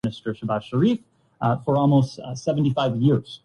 ‘وہ ویسے ہی رہیں گے۔